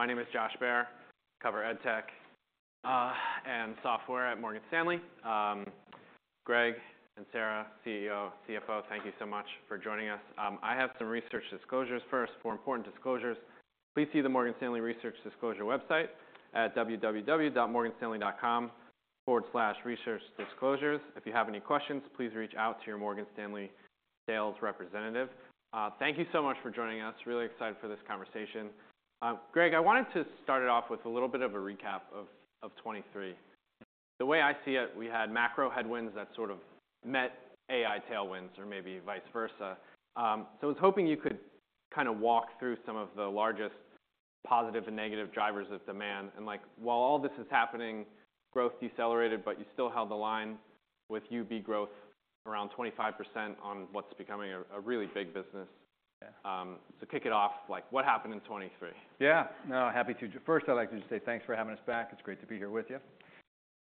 My name is Josh Baer, covering ed tech and software at Morgan Stanley. Greg and Sarah, CEO, CFO, thank you so much for joining us. I have some research disclosures first, four important disclosures. Please see the Morgan Stanley Research Disclosure website at www.morganstanley.com/researchdisclosures. If you have any questions, please reach out to your Morgan Stanley sales representative. Thank you so much for joining us. Really excited for this conversation. Greg, I wanted to start it off with a little bit of a recap of 2023. The way I see it, we had macro headwinds that sort of met AI tailwinds, or maybe vice versa. So I was hoping you could kinda walk through some of the largest positive and negative drivers of demand. Like, while all this is happening, growth decelerated, but you still held the line with UB Growth around 25% on what's becoming a really big business. Yeah. Kick it off. Like, what happened in 2023? Yeah. No, happy to just first, I'd like to just say thanks for having us back. It's great to be here with you.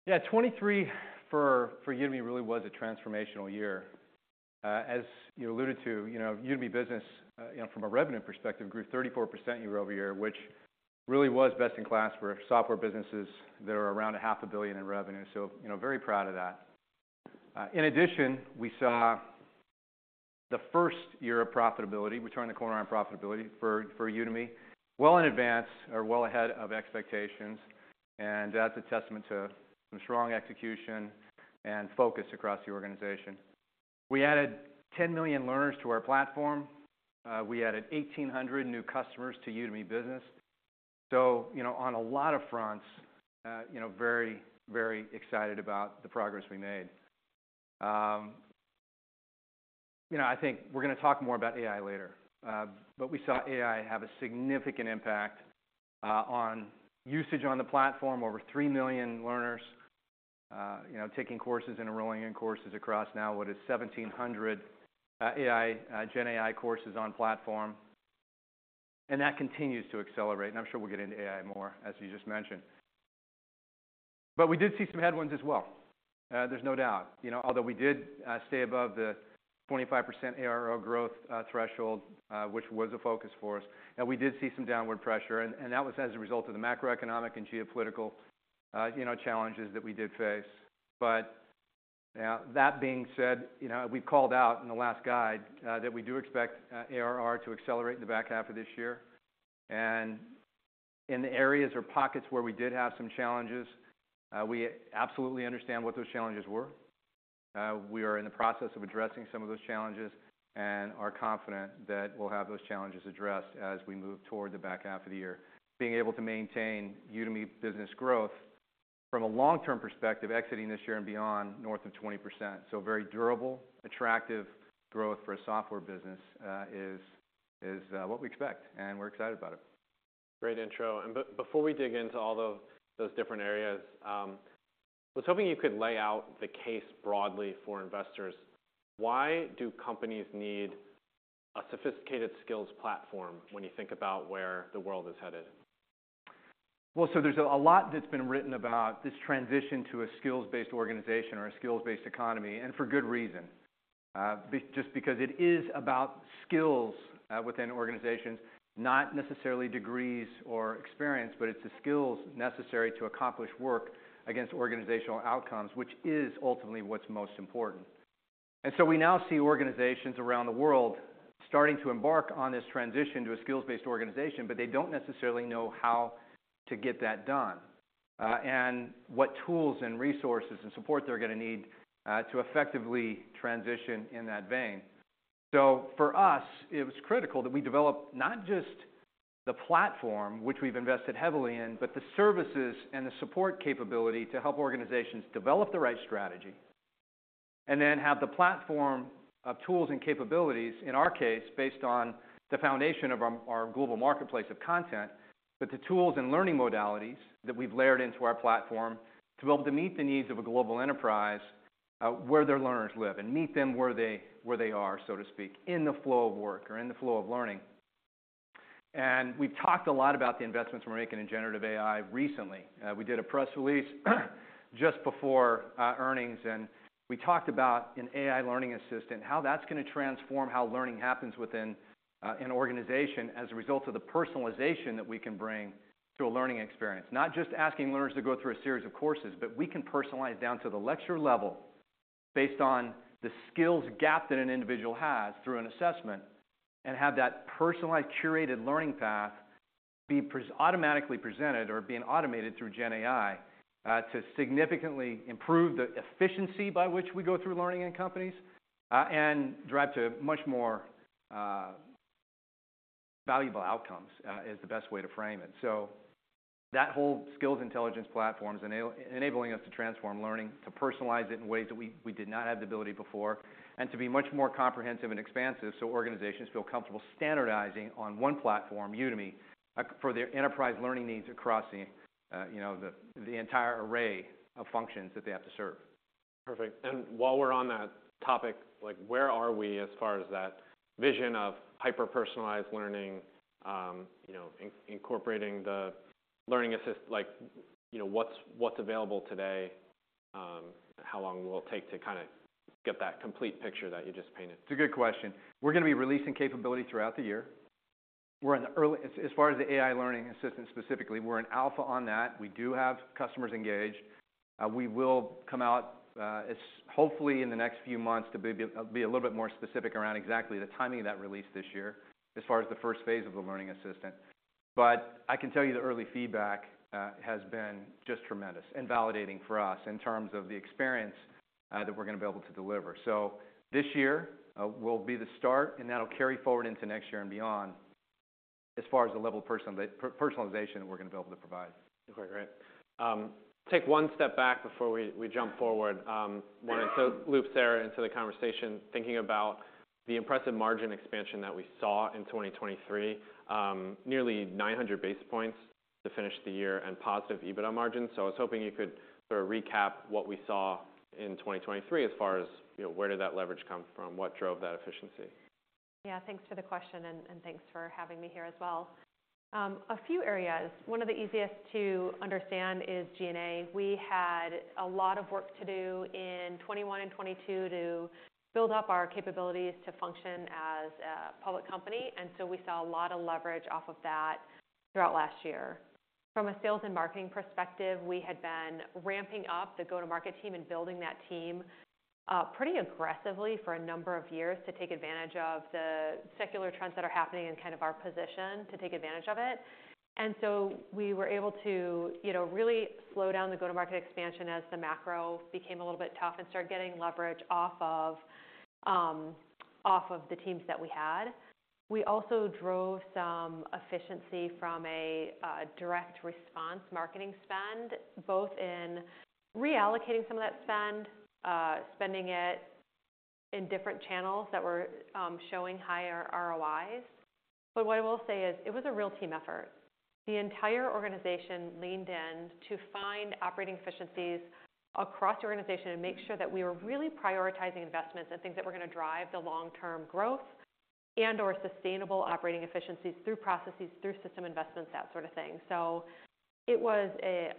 Yeah, 2023 for Udemy really was a transformational year. As you alluded to, you know, Udemy Business, you know, from a revenue perspective, grew 34% year-over-year, which really was best in class for software businesses that are around $500 million in revenue. So, you know, very proud of that. In addition, we saw the first year of profitability. We turned the corner on profitability for Udemy, well in advance or well ahead of expectations. And that's a testament to some strong execution and focus across the organization. We added 10 million learners to our platform. We added 1,800 new customers to Udemy Business. So, you know, on a lot of fronts, you know, very, very excited about the progress we made. You know, I think we're gonna talk more about AI later. But we saw AI have a significant impact on usage on the platform, over 3 million learners, you know, taking courses and enrolling in courses across now what is 1,700 AI, GenAI courses on platform. And that continues to accelerate. And I'm sure we'll get into AI more, as you just mentioned. But we did see some headwinds as well. There's no doubt. You know, although we did stay above the 25% ARR growth threshold, which was a focus for us. And we did see some downward pressure. And that was as a result of the macroeconomic and geopolitical, you know, challenges that we did face. But now, that being said, you know, we've called out in the last guide that we do expect ARR to accelerate in the back half of this year. In the areas or pockets where we did have some challenges, we absolutely understand what those challenges were. We are in the process of addressing some of those challenges and are confident that we'll have those challenges addressed as we move toward the back half of the year. Being able to maintain Udemy Business growth from a long-term perspective, exiting this year and beyond, north of 20%. So very durable, attractive growth for a software business, is, is, what we expect. And we're excited about it. Great intro. Before we dig into all the, those different areas, I was hoping you could lay out the case broadly for investors. Why do companies need a sophisticated skills platform when you think about where the world is headed? Well, so there's a lot that's been written about this transition to a skills-based organization or a skills-based economy, and for good reason because it is about skills, within organizations, not necessarily degrees or experience, but it's the skills necessary to accomplish work against organizational outcomes, which is ultimately what's most important. So we now see organizations around the world starting to embark on this transition to a skills-based organization, but they don't necessarily know how to get that done, and what tools and resources and support they're gonna need, to effectively transition in that vein. So for us, it was critical that we develop not just the platform, which we've invested heavily in, but the services and the support capability to help organizations develop the right strategy, and then have the platform of tools and capabilities, in our case, based on the foundation of our, our global marketplace of content, but the tools and learning modalities that we've layered into our platform to be able to meet the needs of a global enterprise, where their learners live, and meet them where they, where they are, so to speak, in the flow of work or in the flow of learning. And we've talked a lot about the investments we're making in generative AI recently. We did a press release just before earnings. And we talked about an AI Learning assistant, how that's gonna transform how learning happens within an organization as a result of the personalization that we can bring to a learning experience. Not just asking learners to go through a series of courses, but we can personalize down to the lecture level based on the skills gap that an individual has through an assessment, and have that personalized, curated learning path be presented automatically or being automated through GenAI, to significantly improve the efficiency by which we go through learning in companies, and drive to much more valuable outcomes, is the best way to frame it. So that whole skills intelligence platform's enabling us to transform learning, to personalize it in ways that we did not have the ability before, and to be much more comprehensive and expansive so organizations feel comfortable standardizing on one platform, Udemy, for their enterprise learning needs across the, you know, the entire array of functions that they have to serve. Perfect. And while we're on that topic, like, where are we as far as that vision of hyper-personalized learning, you know, incorporating the learning assistant like, you know, what's available today? How long will it take to kinda get that complete picture that you just painted? It's a good question. We're gonna be releasing capability throughout the year. We're in the early stages, as far as the AI learning assistant specifically. We're in alpha on that. We do have customers engaged. We will come out, as hopefully in the next few months to be a bit more specific around exactly the timing of that release this year as far as the first phase of the learning assistant. But I can tell you the early feedback has been just tremendous and validating for us in terms of the experience that we're gonna be able to deliver. So this year will be the start, and that'll carry forward into next year and beyond as far as the level of personalization that we're gonna be able to provide. Okay. Great. Take one step back before we jump forward. Wanna intro loop Sarah into the conversation, thinking about the impressive margin expansion that we saw in 2023, nearly 900 basis points to finish the year and positive EBITDA margins. So I was hoping you could sort of recap what we saw in 2023 as far as, you know, where did that leverage come from, what drove that efficiency? Yeah. Thanks for the question. And thanks for having me here as well. A few areas. One of the easiest to understand is G&A. We had a lot of work to do in 2021 and 2022 to build up our capabilities to function as a public company. And so we saw a lot of leverage off of that throughout last year. From a sales and marketing perspective, we had been ramping up the go-to-market team and building that team, pretty aggressively for a number of years to take advantage of the secular trends that are happening in kind of our position to take advantage of it. And so we were able to, you know, really slow down the go-to-market expansion as the macro became a little bit tough and started getting leverage off of the teams that we had. We also drove some efficiency from a direct response marketing spend, both in reallocating some of that spend, spending it in different channels that were showing higher ROIs. But what I will say is it was a real team effort. The entire organization leaned in to find operating efficiencies across the organization and make sure that we were really prioritizing investments and things that were gonna drive the long-term growth and/or sustainable operating efficiencies through processes, through system investments, that sort of thing. So it was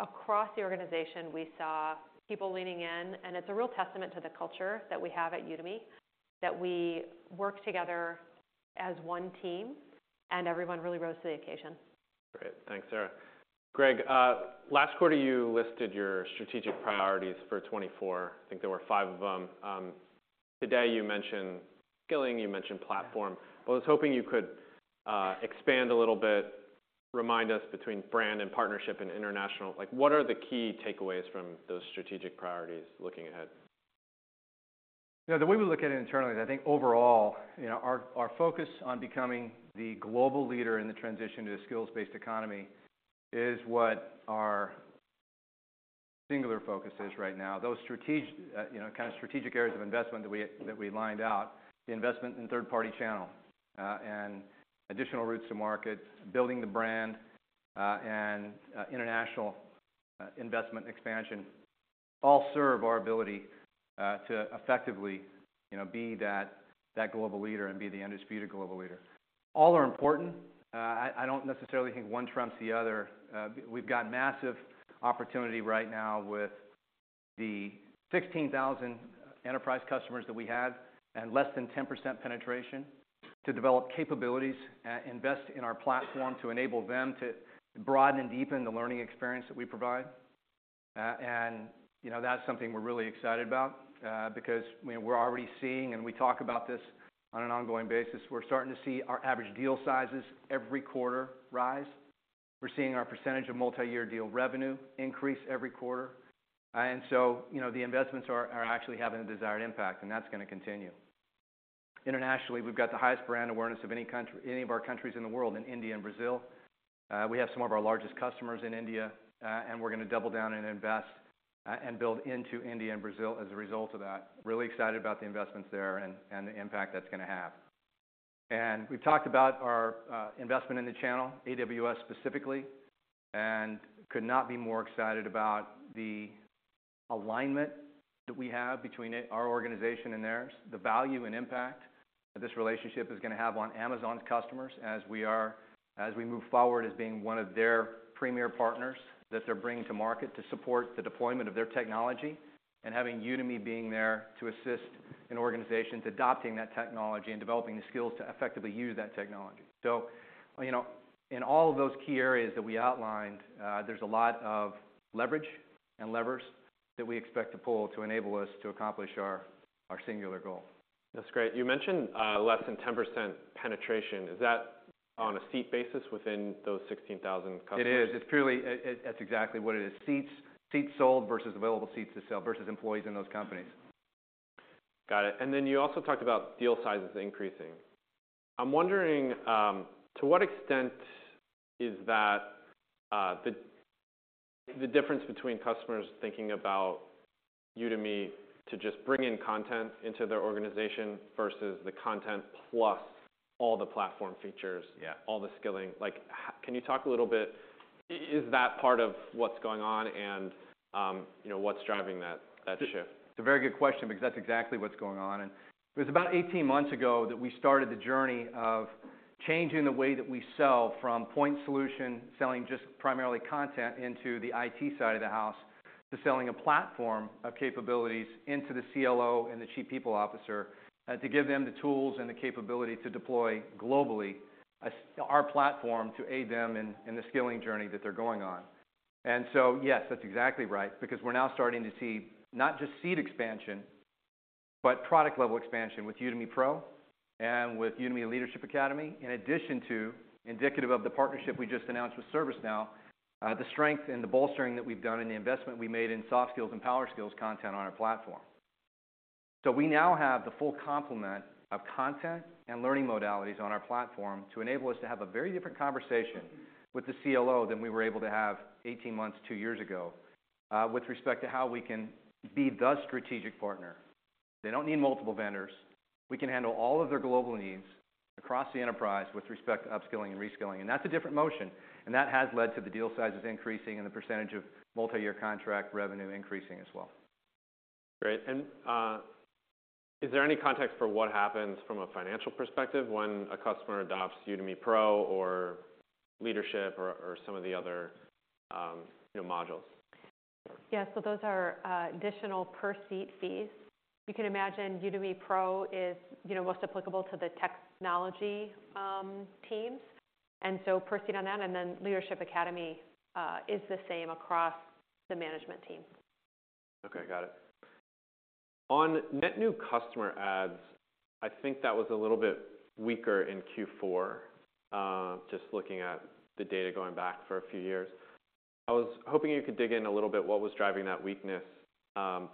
across the organization, we saw people leaning in. And it's a real testament to the culture that we have at Udemy, that we work together as one team, and everyone really rose to the occasion. Great. Thanks, Sarah. Greg, last quarter you listed your strategic priorities for 2024. I think there were five of them. Today you mentioned skilling. You mentioned platform. But I was hoping you could, expand a little bit, remind us between brand and partnership and international, like, what are the key takeaways from those strategic priorities looking ahead? You know, the way we look at it internally is I think overall, you know, our, our focus on becoming the global leader in the transition to a skills-based economy is what our singular focus is right now. Those strategic, you know, kinda strategic areas of investment that we that we lined out, the investment in third-party channel, and additional routes to market, building the brand, and international investment expansion, all serve our ability to effectively, you know, be that, that global leader and be the undisputed global leader. All are important. I, I don't necessarily think one trumps the other. But we've got massive opportunity right now with the 16,000 enterprise customers that we have and less than 10% penetration to develop capabilities, invest in our platform to enable them to broaden and deepen the learning experience that we provide. You know, that's something we're really excited about, because, you know, we're already seeing, and we talk about this on an ongoing basis. We're starting to see our average deal sizes every quarter rise. We're seeing our percentage of multi-year deal revenue increase every quarter. So, you know, the investments are actually having a desired impact, and that's gonna continue. Internationally, we've got the highest brand awareness of any country, any of our countries in the world, in India and Brazil. We have some of our largest customers in India, and we're gonna double down and invest, and build into India and Brazil as a result of that. Really excited about the investments there and the impact that's gonna have. We've talked about our investment in the channel, AWS specifically, and could not be more excited about the alignment that we have between our organization and theirs, the value and impact that this relationship is gonna have on Amazon's customers as we move forward as being one of their premier partners that they're bringing to market to support the deployment of their technology, and having Udemy being there to assist an organization with adopting that technology and developing the skills to effectively use that technology. So, you know, in all of those key areas that we outlined, there's a lot of leverage and levers that we expect to pull to enable us to accomplish our singular goal. That's great. You mentioned less than 10% penetration. Is that on a seat basis within those 16,000 customers? It is. It's purely that's exactly what it is. Seats, seats sold versus available seats to sell versus employees in those companies. Got it. Then you also talked about deal sizes increasing. I'm wondering, to what extent is that the difference between customers thinking about Udemy to just bring in content into their organization versus the content plus all the platform features? Yeah. All the skilling. Like, can you talk a little bit? Is that part of what's going on and, you know, what's driving that, that shift? It's, it's a very good question because that's exactly what's going on. And it was about 18 months ago that we started the journey of changing the way that we sell from point solution, selling just primarily content into the IT side of the house, to selling a platform of capabilities into the CLO and the Chief People Officer, to give them the tools and the capability to deploy globally as our platform to aid them in, in the skilling journey that they're going on. And so, yes, that's exactly right because we're now starting to see not just seat expansion, but product-level expansion with Udemy Pro and with Udemy Leadership Academy, in addition to indicative of the partnership we just announced with ServiceNow, the strength and the bolstering that we've done in the investment we made in soft skills and power skills content on our platform. We now have the full complement of content and learning modalities on our platform to enable us to have a very different conversation with the CLO than we were able to have 18 months, 2 years ago, with respect to how we can be the strategic partner. They don't need multiple vendors. We can handle all of their global needs across the enterprise with respect to upskilling and reskilling. That's a different motion. That has led to the deal sizes increasing and the percentage of multi-year contract revenue increasing as well. Great. Is there any context for what happens from a financial perspective when a customer adopts Udemy Pro or Leadership or some of the other, you know, modules? Yeah. So those are additional per-seat fees. You can imagine Udemy Pro is, you know, most applicable to the technology teams. And so per-seat on that. And then Leadership Academy is the same across the management team. Okay. Got it. On net new customer adds, I think that was a little bit weaker in Q4, just looking at the data going back for a few years. I was hoping you could dig in a little bit what was driving that weakness,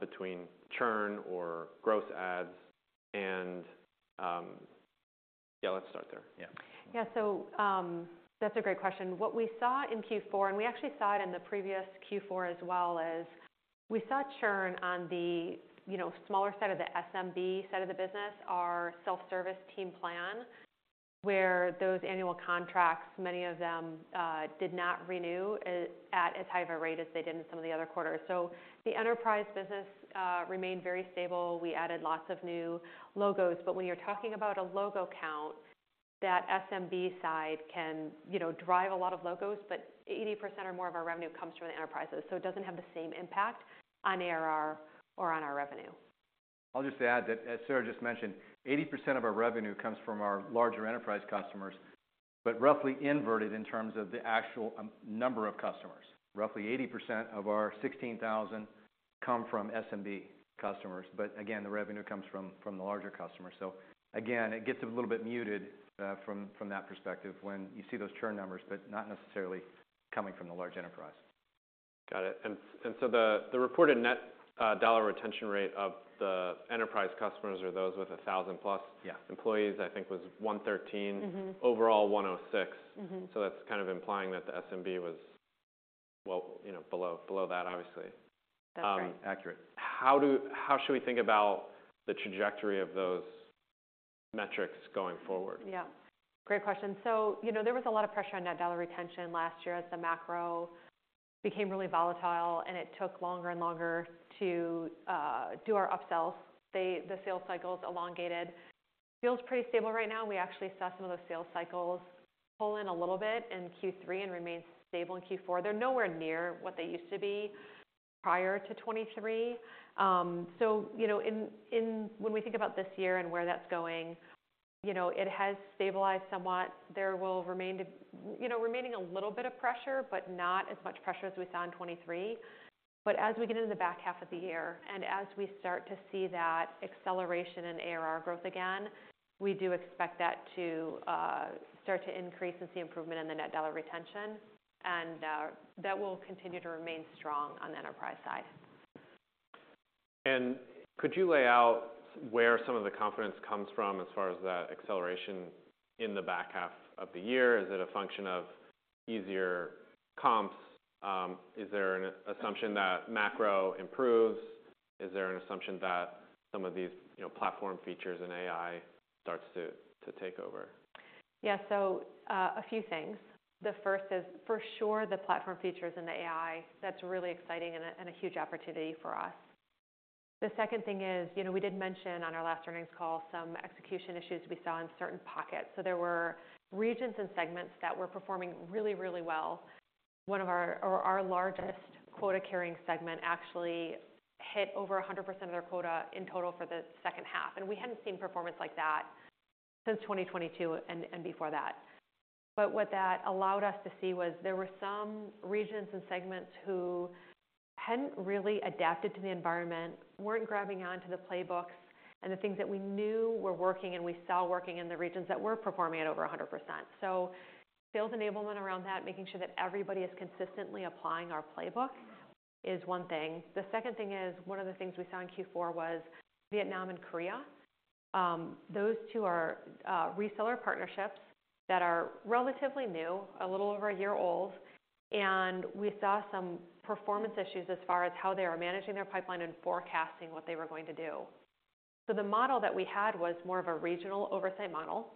between churn or gross adds and, yeah, let's start there. Yeah. Yeah. So, that's a great question. What we saw in Q4 and we actually saw it in the previous Q4 as well is we saw churn on the, you know, smaller side of the SMB side of the business, our self-service Team Plan, where those annual contracts, many of them, did not renew at as high of a rate as they did in some of the other quarters. So the enterprise business remained very stable. We added lots of new logos. But when you're talking about a logo count, that SMB side can, you know, drive a lot of logos, but 80% or more of our revenue comes from the enterprises. So it doesn't have the same impact on ARR or on our revenue. I'll just add that, as Sarah just mentioned, 80% of our revenue comes from our larger enterprise customers, but roughly inverted in terms of the actual number of customers. Roughly 80% of our 16,000 come from SMB customers. But again, the revenue comes from the larger customers. So again, it gets a little bit muted from that perspective when you see those churn numbers, but not necessarily coming from the large enterprise. Got it. And so the reported net dollar retention rate of the enterprise customers, or those with 1,000-plus. Yeah. Employees, I think, was 113. Mm-hmm. Overall, 106. Mm-hmm. So that's kind of implying that the SMB was, well, you know, below, below that, obviously. That's right. accurate. How should we think about the trajectory of those metrics going forward? Yeah. Great question. So, you know, there was a lot of pressure on net dollar retention last year as the macro became really volatile, and it took longer and longer to do our upsells. The sales cycles elongated. Feels pretty stable right now. We actually saw some of those sales cycles pull in a little bit in Q3 and remain stable in Q4. They're nowhere near what they used to be prior to 2023. So, you know, when we think about this year and where that's going, you know, it has stabilized somewhat. There will remain to be, you know, remaining a little bit of pressure, but not as much pressure as we saw in 2023. As we get into the back half of the year and as we start to see that acceleration in ARR growth again, we do expect that to start to increase and see improvement in the Net Dollar Retention. That will continue to remain strong on the enterprise side. Could you lay out where some of the confidence comes from as far as that acceleration in the back half of the year? Is it a function of easier comps? Is there an assumption that macro improves? Is there an assumption that some of these, you know, platform features and AI starts to take over? Yeah. So, a few things. The first is, for sure, the platform features and the AI. That's really exciting and a huge opportunity for us. The second thing is, you know, we did mention on our last earnings call some execution issues we saw in certain pockets. So there were regions and segments that were performing really, really well. One of our largest quota-carrying segment actually hit over 100% of their quota in total for the second half. And we hadn't seen performance like that since 2022 and before that. But what that allowed us to see was there were some regions and segments who hadn't really adapted to the environment, weren't grabbing onto the playbooks, and the things that we knew were working and we saw working in the regions that were performing at over 100%. So sales enablement around that, making sure that everybody is consistently applying our playbook, is one thing. The second thing is one of the things we saw in Q4 was Vietnam and Korea. Those two are reseller partnerships that are relatively new, a little over a year old. And we saw some performance issues as far as how they are managing their pipeline and forecasting what they were going to do. So the model that we had was more of a regional oversight model.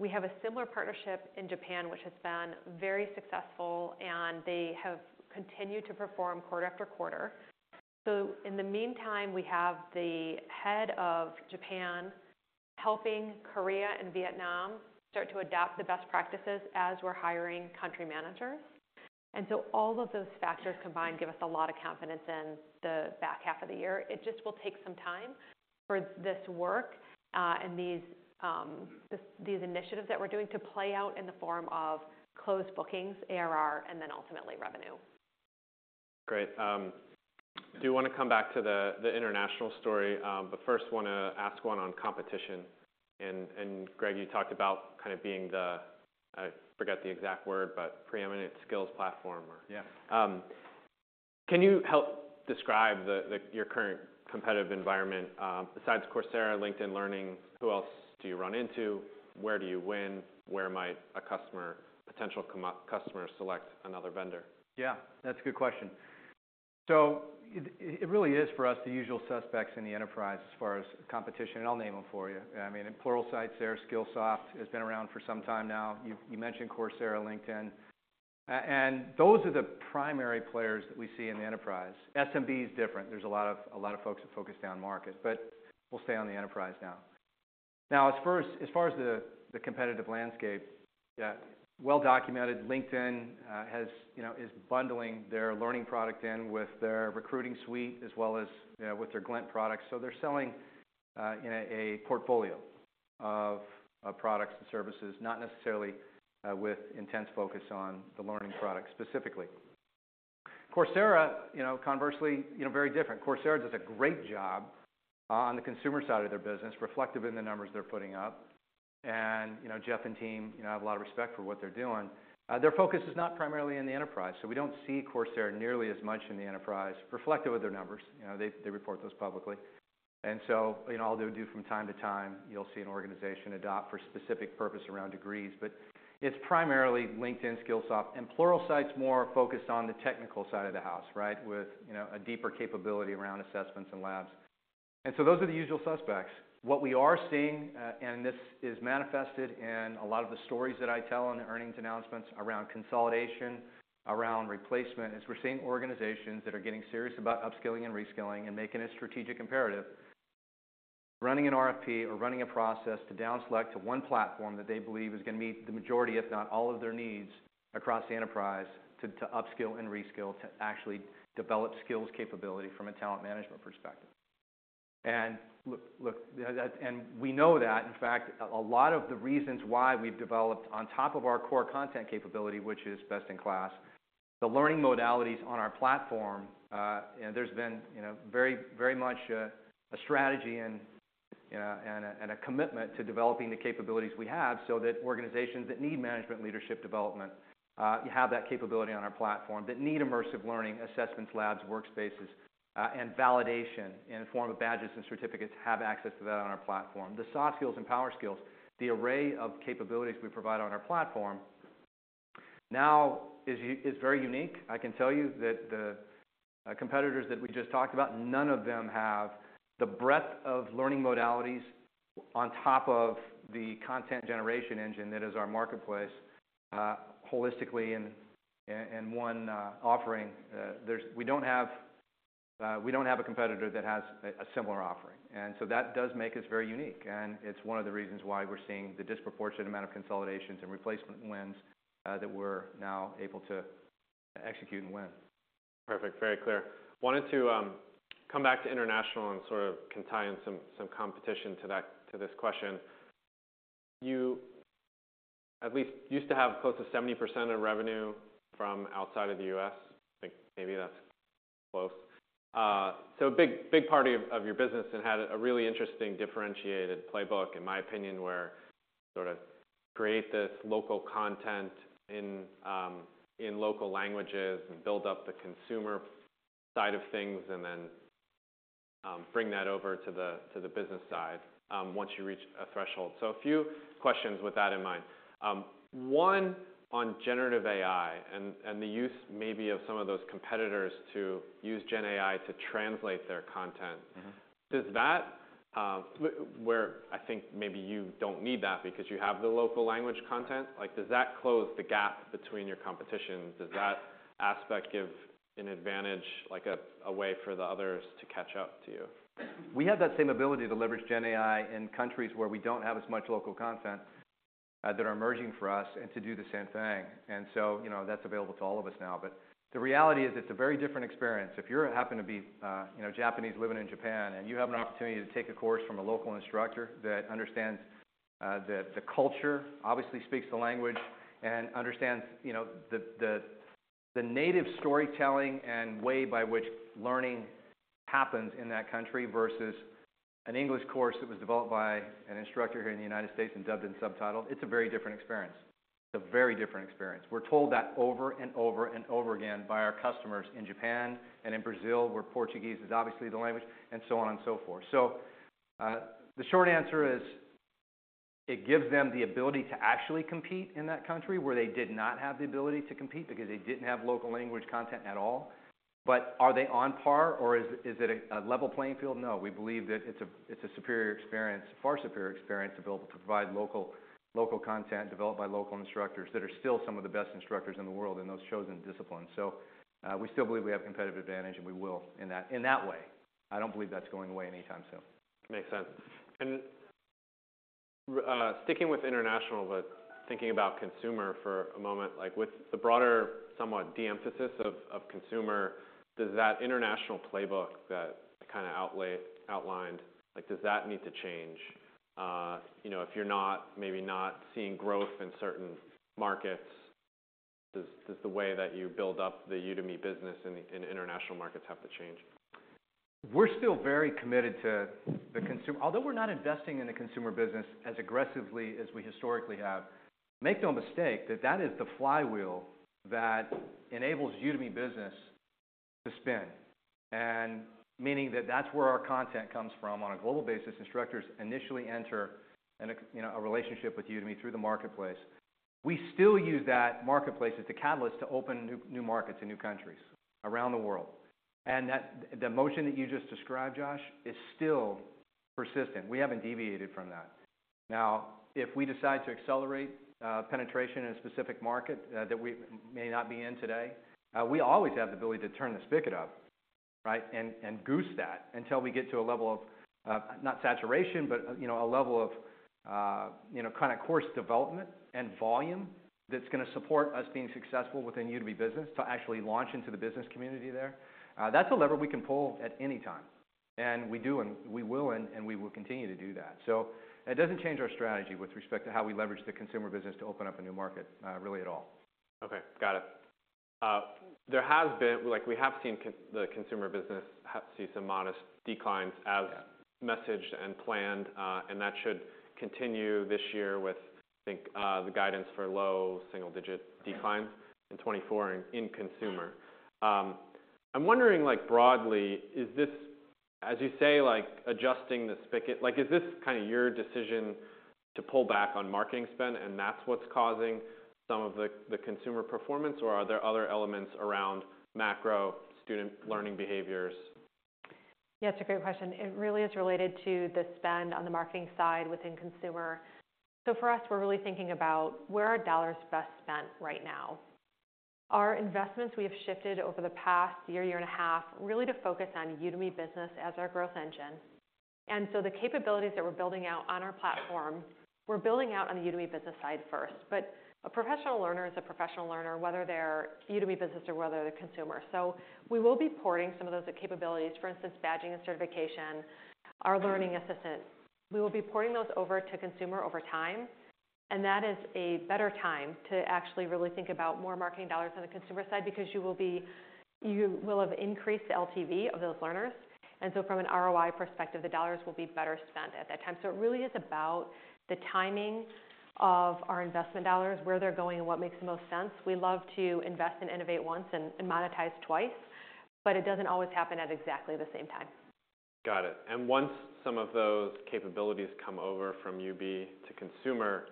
We have a similar partnership in Japan, which has been very successful, and they have continued to perform quarter after quarter. So in the meantime, we have the head of Japan helping Korea and Vietnam start to adopt the best practices as we're hiring country managers. And so all of those factors combined give us a lot of confidence in the back half of the year. It just will take some time for this work, and these initiatives that we're doing to play out in the form of closed bookings, ARR, and then ultimately revenue. Great. Do wanna come back to the international story, but first wanna ask one on competition. And, Greg, you talked about kinda being the—I forget the exact word—but preeminent skills platform or. Yeah. Can you help describe your current competitive environment, besides Coursera, LinkedIn Learning? Who else do you run into? Where do you win? Where might a customer, potential commercial customer, select another vendor? Yeah. That's a good question. So it really is for us the usual suspects in the enterprise as far as competition. And I'll name them for you. I mean, in Pluralsight, Skillsoft has been around for some time now. You've mentioned Coursera, LinkedIn. And those are the primary players that we see in the enterprise. SMB is different. There's a lot of folks that focus down market. But we'll stay on the enterprise now. Now, as far as the competitive landscape, yeah, well-documented. LinkedIn, you know, is bundling their learning product in with their recruiting suite as well as, you know, with their Glint products. So they're selling in a portfolio of products and services, not necessarily with intense focus on the learning product specifically. Coursera, you know, conversely, you know, very different. Coursera does a great job on the consumer side of their business, reflective in the numbers they're putting up. You know, Jeff and team have a lot of respect for what they're doing. Their focus is not primarily in the enterprise. So we don't see Coursera nearly as much in the enterprise, reflective of their numbers. You know, they report those publicly. So you know, all they'll do from time to time, you'll see an organization adopt for specific purpose around degrees. But it's primarily LinkedIn, Skillsoft, and Pluralsight more focused on the technical side of the house, right, with you know, a deeper capability around assessments and labs. So those are the usual suspects. What we are seeing, and this is manifested in a lot of the stories that I tell on the earnings announcements around consolidation, around replacement, is we're seeing organizations that are getting serious about upskilling and reskilling and making a strategic imperative, running an RFP or running a process to downselect to one platform that they believe is gonna meet the majority, if not all, of their needs across the enterprise to, to upskill and reskilling, to actually develop skills capability from a talent management perspective. And look, look, that and we know that. In fact, a lot of the reasons why we've developed on top of our core content capability, which is best in class, the learning modalities on our platform, and there's been, you know, very, very much, a strategy and, you know, a commitment to developing the capabilities we have so that organizations that need management leadership development, you have that capability on our platform, that need immersive learning, assessments, labs, workspaces, and validation in the form of badges and certificates, have access to that on our platform. The soft skills and power skills, the array of capabilities we provide on our platform now is very unique. I can tell you that the competitors that we just talked about, none of them have the breadth of learning modalities on top of the content generation engine that is our marketplace, holistically in and one offering. We don't have a competitor that has a similar offering. And so that does make us very unique. And it's one of the reasons why we're seeing the disproportionate amount of consolidations and replacement wins that we're now able to execute and win. Perfect. Very clear. Wanted to come back to international and sort of can tie in some, some competition to that to this question. You at least used to have close to 70% of revenue from outside of the U.S. I think maybe that's close. So a big, big part of your business and had a really interesting differentiated playbook, in my opinion, where sort of create this local content in, in local languages and build up the consumer side of things and then bring that over to the to the business side, once you reach a threshold. So a few questions with that in mind. One on generative AI and, and the use maybe of some of those competitors to use GenAI to translate their content. Mm-hmm. Does that, I think maybe you don't need that because you have the local language content, like, does that close the gap between your competition? Does that aspect give an advantage, like, a way for the others to catch up to you? We have that same ability to leverage GenAI in countries where we don't have as much local content, that are emerging for us and to do the same thing. And so, you know, that's available to all of us now. But the reality is it's a very different experience. If you happen to be, you know, Japanese living in Japan and you have an opportunity to take a course from a local instructor that understands the culture, obviously speaks the language, and understands, you know, the native storytelling and way by which learning happens in that country versus an English course that was developed by an instructor here in the United States and dubbed and subtitled, it's a very different experience. It's a very different experience. We're told that over and over and over again by our customers in Japan and in Brazil, where Portuguese is obviously the language, and so on and so forth. So, the short answer is it gives them the ability to actually compete in that country where they did not have the ability to compete because they didn't have local language content at all. But are they on par, or is it a level playing field? No. We believe that it's a superior experience, far superior experience, available to provide local content developed by local instructors that are still some of the best instructors in the world in those chosen disciplines. So, we still believe we have a competitive advantage, and we will in that way. I don't believe that's going away anytime soon. Makes sense. And are sticking with international, but thinking about consumer for a moment, like, with the broader somewhat de-emphasis of consumer, does that international playbook that I kinda outlined, like, does that need to change? You know, if you're not maybe not seeing growth in certain markets, does the way that you build up the Udemy business in the international markets have to change? We're still very committed to the consumer although we're not investing in the consumer business as aggressively as we historically have, make no mistake that that is the flywheel that enables Udemy Business to spin. And meaning that that's where our content comes from on a global basis. Instructors initially enter a, you know, a relationship with Udemy through the marketplace. We still use that marketplace as the catalyst to open new markets in new countries around the world. And that the motion that you just described, Josh, is still persistent. We haven't deviated from that. Now, if we decide to accelerate penetration in a specific market that we may not be in today, we always have the ability to turn the spigot up, right, and goose that until we get to a level of, not saturation, but, you know, a level of, you know, kinda course development and volume that's gonna support us being successful within Udemy Business to actually launch into the business community there. That's a lever we can pull at any time. And we do, and we will, and we will continue to do that. So it doesn't change our strategy with respect to how we leverage the consumer business to open up a new market, really at all. Okay. Got it. There has been, like, we have seen on the consumer business has seen some modest declines as. Yeah. Massaged and planned. That should continue this year with, I think, the guidance for low single-digit declines. Mm-hmm. In 2024 in consumer. I'm wondering, like, broadly, is this, as you say, like, adjusting the spigot like, is this kinda your decision to pull back on marketing spend, and that's what's causing some of the consumer performance, or are there other elements around macro student learning behaviors? Yeah. It's a great question. It really is related to the spend on the marketing side within consumer. So for us, we're really thinking about where are dollars best spent right now. Our investments, we have shifted over the past year, year and a half really to focus on Udemy Business as our growth engine. And so the capabilities that we're building out on our platform, we're building out on the Udemy Business side first. But a professional learner is a professional learner, whether they're Udemy Business or whether they're consumer. So we will be porting some of those capabilities, for instance, badging and certification, our learning assistant. We will be porting those over to consumer over time. And that is a better time to actually really think about more marketing dollars on the consumer side because you will be you will have increased the LTV of those learners. From an ROI perspective, the dollars will be better spent at that time. It really is about the timing of our investment dollars, where they're going, and what makes the most sense. We love to invest and innovate once and monetize twice, but it doesn't always happen at exactly the same time. Got it. Once some of those capabilities come over from UB to consumer,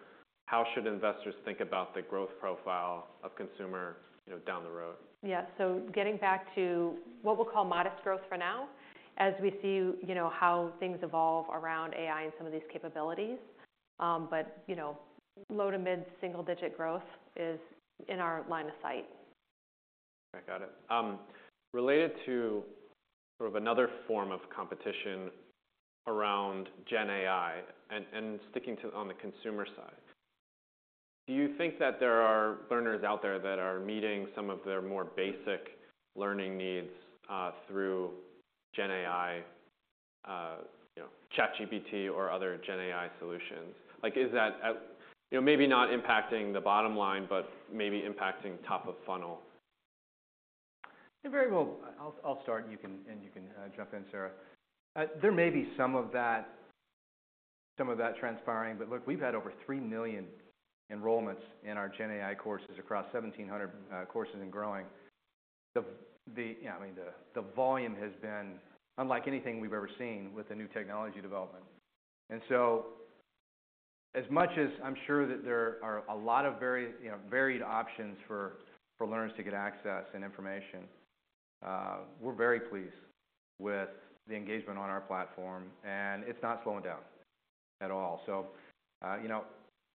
how should investors think about the growth profile of consumer, you know, down the road? Yeah. So getting back to what we'll call modest growth for now as we see, you know, how things evolve around AI and some of these capabilities. But, you know, low to mid single-digit growth is in our line of sight. Okay. Got it. Related to sort of another form of competition around GenAI and, and sticking to on the consumer side, do you think that there are learners out there that are meeting some of their more basic learning needs through GenAI, you know, ChatGPT or other GenAI solutions? Like, is that at, you know, maybe not impacting the bottom line, but maybe impacting top of funnel? They're very well. I'll start, and you can jump in, Sarah. There may be some of that transpiring. But look, we've had over three million enrollments in our GenAI courses across 1,700 courses and growing. I mean, the volume has been unlike anything we've ever seen with the new technology development. And so as much as I'm sure that there are a lot of very, you know, varied options for learners to get access and information, we're very pleased with the engagement on our platform. And it's not slowing down at all. So, you know,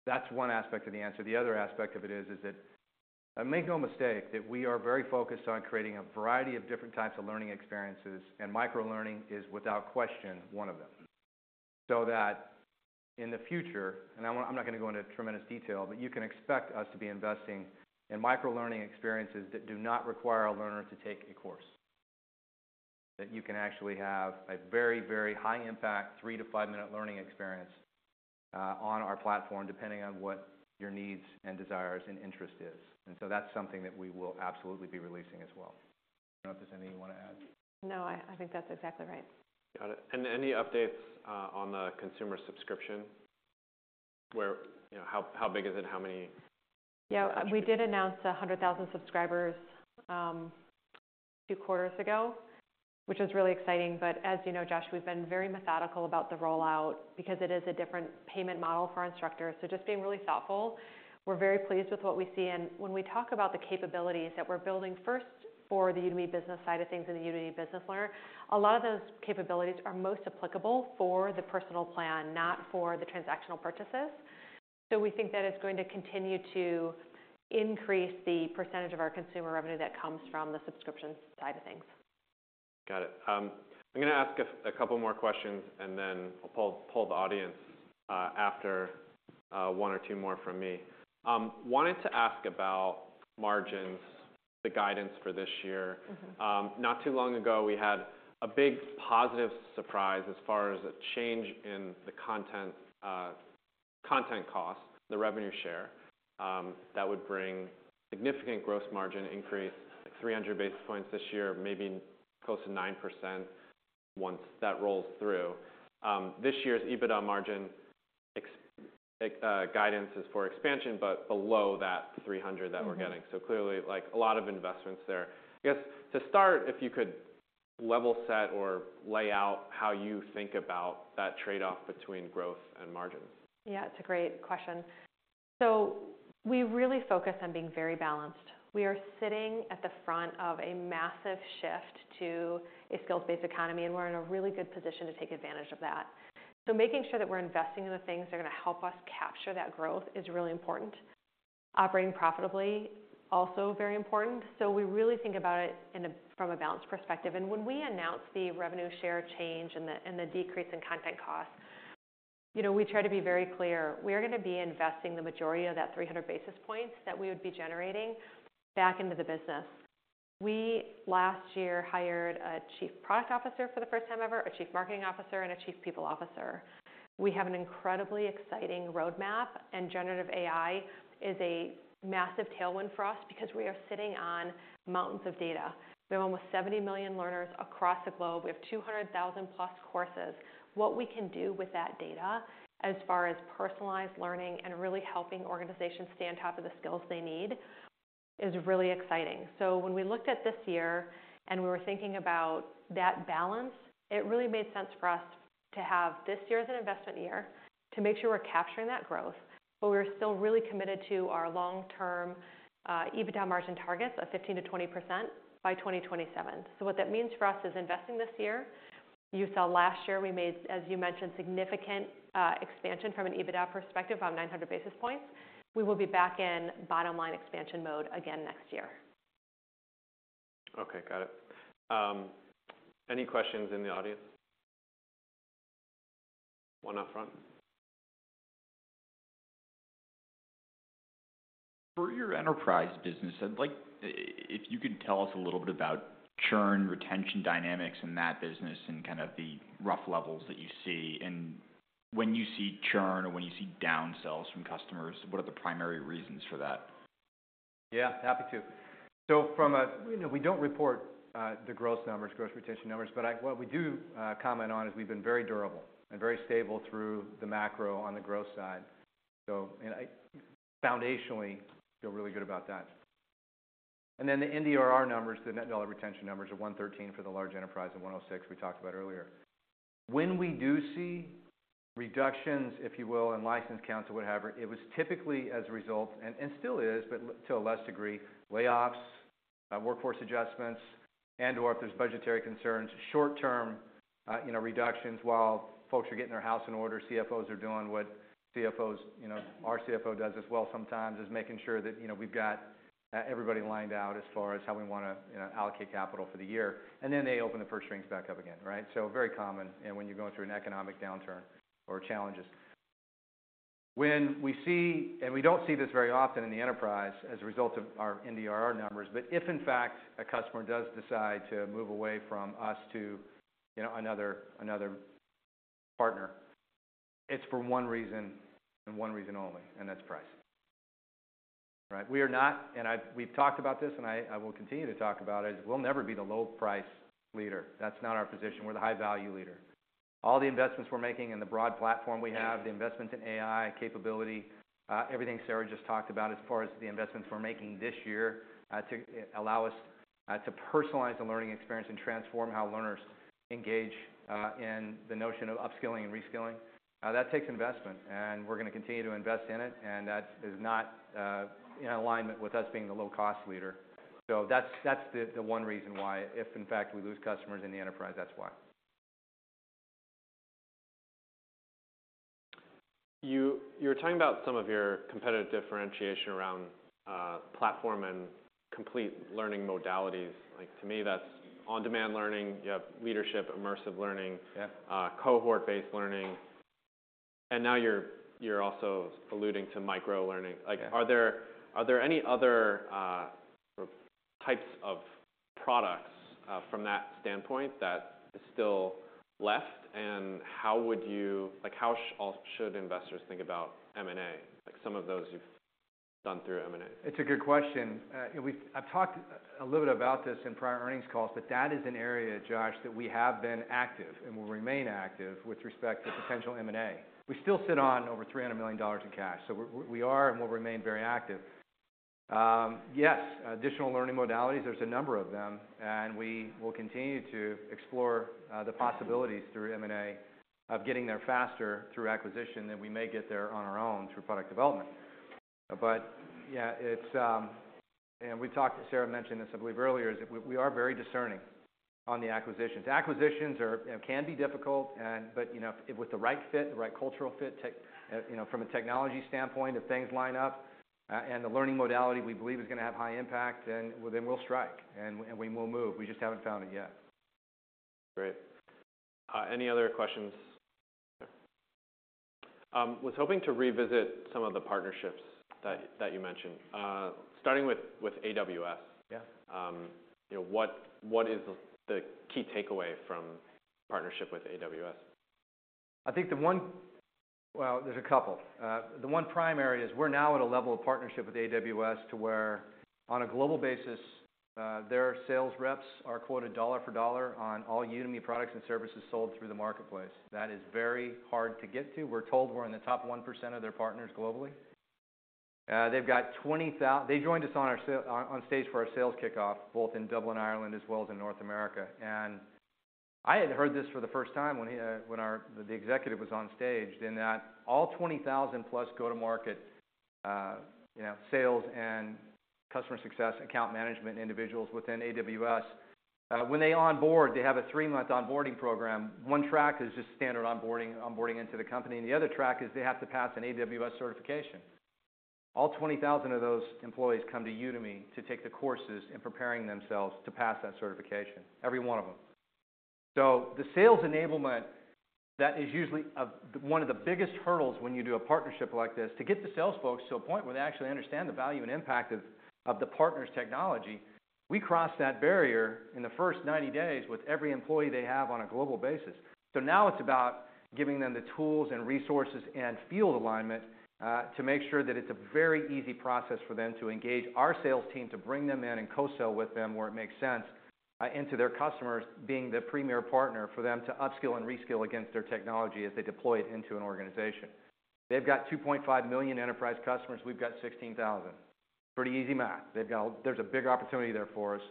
that's one aspect of the answer. The other aspect of it is that, make no mistake, we are very focused on creating a variety of different types of learning experiences. And microlearning is, without question, one of them. So that in the future and I won't—I'm not gonna go into tremendous detail, but you can expect us to be investing in microlearning experiences that do not require a learner to take a course, that you can actually have a very, very high-impact three- to five-minute learning experience on our platform depending on what your needs and desires and interest is. And so that's something that we will absolutely be releasing as well. I don't know if there's any you wanna add. No. I think that's exactly right. Got it. Any updates on the consumer subscription, you know, how big is it? How many? Yeah. We did announce 100,000 subscribers, two quarters ago, which was really exciting. But as you know, Josh, we've been very methodical about the rollout because it is a different payment model for instructors. So just being really thoughtful, we're very pleased with what we see. And when we talk about the capabilities that we're building first for the Udemy Business side of things and the Udemy Business learner, a lot of those capabilities are most applicable for the Personal Plan, not for the transactional purchases. So we think that it's going to continue to increase the percentage of our consumer revenue that comes from the subscription side of things. Got it. I'm gonna ask a couple more questions, and then I'll pull the audience after one or two more from me. Wanted to ask about margins, the guidance for this year. Mm-hmm. Not too long ago, we had a big positive surprise as far as a change in the content, content cost, the revenue share, that would bring significant gross margin increase, like, 300 basis points this year, maybe close to 9% once that rolls through. This year's EBITDA margin exp guidance is for expansion, but below that 300 that we're getting. Mm-hmm. Clearly, like, a lot of investments there. I guess to start, if you could level set or lay out how you think about that trade-off between growth and margins. Yeah. It's a great question. So we really focus on being very balanced. We are sitting at the front of a massive shift to a skills-based economy, and we're in a really good position to take advantage of that. So making sure that we're investing in the things that are gonna help us capture that growth is really important. Operating profitably, also very important. So we really think about it in a from a balanced perspective. And when we announce the revenue share change and the and the decrease in content cost, you know, we try to be very clear. We are gonna be investing the majority of that 300 basis points that we would be generating back into the business. We last year hired a Chief Product Officer for the first time ever, a Chief Marketing Officer, and a Chief People Officer. We have an incredibly exciting roadmap. Generative AI is a massive tailwind for us because we are sitting on mountains of data. We have almost 70 million learners across the globe. We have 200,000-plus courses. What we can do with that data as far as personalized learning and really helping organizations stay on top of the skills they need is really exciting. So when we looked at this year and we were thinking about that balance, it really made sense for us to have this year as an investment year to make sure we're capturing that growth, but we were still really committed to our long-term EBITDA margin targets of 15%-20% by 2027. So what that means for us is investing this year. You saw last year we made, as you mentioned, significant expansion from an EBITDA perspective of 900 basis points. We will be back in bottom-line expansion mode again next year. Okay. Got it. Any questions in the audience? One up front. For your enterprise business, I'd like if you could tell us a little bit about churn, retention dynamics in that business and kind of the rough levels that you see. When you see churn or when you see downsells from customers, what are the primary reasons for that? Yeah. Happy to. So from a, you know, we don't report the gross numbers, gross retention numbers. But what we do comment on is we've been very durable and very stable through the macro on the growth side. So, foundationally, I feel really good about that. And then the NDRR numbers, the net dollar retention numbers of 113 for the large enterprise and 106 we talked about earlier. When we do see reductions, if you will, in license counts or whatever, it was typically as a result, and still is, but to a less degree, layoffs, workforce adjustments, and/or if there's budgetary concerns, short-term, you know, reductions while folks are getting their house in order. CFOs are doing what CFOs, you know, our CFO does as well sometimes is making sure that, you know, we've got everybody lined out as far as how we wanna, you know, allocate capital for the year. And then they open the purchasing reins back up again, right? So very common, you know, when you're going through an economic downturn or challenges. When we see, and we don't see this very often in the enterprise as a result of our NDRR numbers, but if, in fact, a customer does decide to move away from us to, you know, another, another partner, it's for one reason and one reason only, and that's price, right? We are not, and we've talked about this, and I will continue to talk about it. We'll never be the low-price leader. That's not our position. We're the high-value leader. All the investments we're making in the broad platform we have, the investments in AI capability, everything Sarah just talked about as far as the investments we're making this year, to enable us to personalize the learning experience and transform how learners engage in the notion of upskilling and reskilling, that takes investment. And we're gonna continue to invest in it. That is not in alignment with us being the low-cost leader. So that's the one reason why if, in fact, we lose customers in the enterprise, that's why. You were talking about some of your competitive differentiation around platform and complete learning modalities. Like, to me, that's on-demand learning. You have leadership, immersive learning. Yeah. Cohort-based learning. And now you're, you're also alluding to microlearning. Like. Yeah. Are there any other types of products from that standpoint that is still left? And how should investors think about M&A, like some of those you've done through M&A? It's a good question. You know, we've talked a little bit about this in prior earnings calls, but that is an area, Josh, that we have been active and will remain active with respect to potential M&A. We still sit on over $300 million in cash. So we're and we'll remain very active. Yes. Additional learning modalities, there's a number of them. We will continue to explore the possibilities through M&A of getting there faster through acquisition than we may get there on our own through product development. But yeah. It's, and we've talked Sarah mentioned this, I believe, earlier is that we are very discerning on the acquisitions. Acquisitions are, you know, can be difficult. But, you know, if with the right fit, the right cultural fit, the, you know, from a technology standpoint, if things line up, and the learning modality we believe is gonna have high impact, then we'll strike. And we will move. We just haven't found it yet. Great. Any other questions? Was hoping to revisit some of the partnerships that, that you mentioned. Starting with, with AWS. Yeah. You know, what is the key takeaway from partnership with AWS? I think the one. Well, there's a couple. The one primary is we're now at a level of partnership with AWS to where on a global basis, their sales reps are quoted dollar for dollar on all Udemy products and services sold through the marketplace. That is very hard to get to. We're told we're in the top 1% of their partners globally. They've got 20,000. They joined us on our sales on-stage for our sales kickoff, both in Dublin, Ireland, as well as in North America. And I had heard this for the first time when our executive was on stage in that all 20,000-plus go-to-market, you know, sales and customer success account management individuals within AWS, when they onboard, they have a three-month onboarding program. One track is just standard onboarding, onboarding into the company. The other track is they have to pass an AWS certification. All 20,000 of those employees come to Udemy to take the courses in preparing themselves to pass that certification, every one of them. The sales enablement that is usually one of the biggest hurdles when you do a partnership like this, to get the sales folks to a point where they actually understand the value and impact of the partner's technology, we cross that barrier in the first 90 days with every employee they have on a global basis. So now it's about giving them the tools and resources and field alignment, to make sure that it's a very easy process for them to engage our sales team, to bring them in and co-sell with them where it makes sense, into their customers, being the premier partner for them to upskill and reskill against their technology as they deploy it into an organization. They've got 2.5 million enterprise customers. We've got 16,000. Pretty easy math. There's a big opportunity there for us.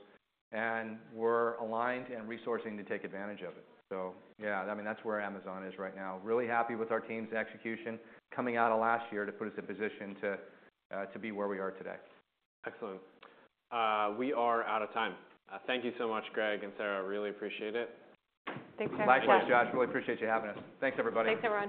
And we're aligned and resourcing to take advantage of it. So yeah. I mean, that's where Amazon is right now. Really happy with our team's execution coming out of last year to put us in position to be where we are today. Excellent. We are out of time. Thank you so much, Greg and Sarah. Really appreciate it. Thanks, Josh. Likewise, Josh. Really appreciate you having us. Thanks, everybody. Thanks, everyone.